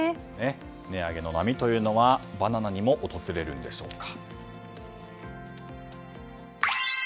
値上げの波はバナナにも訪れるんでしょうか。